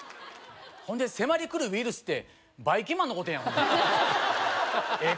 ほんで迫りくるウイルスってばいきんまんのことやんええ